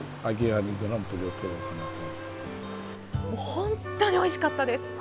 本当においしかったです。